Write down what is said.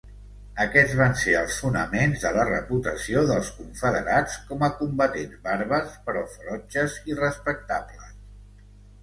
Aquests van ser els fonaments de la reputació dels confederats com a combatents bàrbars, però ferotges i respectables.